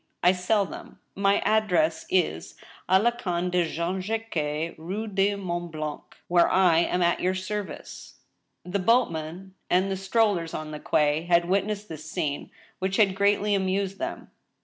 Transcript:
I sell them. My address 214 THE STEEL HAMMER. is i la Canne de Jean Jacques, Rue du Mont Blanc, where I am at your service." The boatmen and the strollers on the quay had witnessed this scene, which had greatly amused them.